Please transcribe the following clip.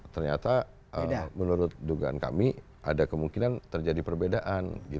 ternyata menurut dugaan kami ada kemungkinan terjadi perbedaan